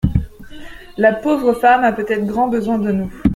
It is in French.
La pauvre femme a peut-être grand besoin de nous.